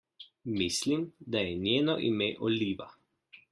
Mislim, da je njeno ime Oliva.